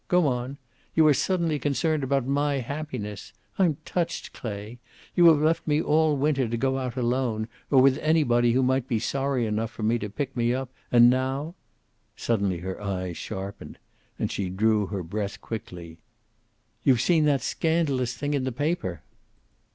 "Go on. You are suddenly concerned about my happiness. I'm touched, Clay. You have left me all winter to go out alone, or with anybody who might be sorry enough for me to pick me up, and now?" Suddenly her eyes sharpened, and she drew her breath quickly. "You've seen that scandalous thing in the paper!"